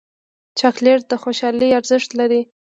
چاکلېټ د خوشحالۍ ارزښت لري